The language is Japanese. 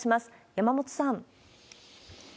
山本さん。